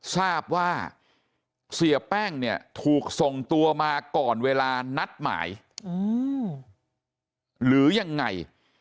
ทราบว่าเสียแป้งเนี่ยถูกส่งตัวมาก่อนเวลานัดหมายหรือยังไง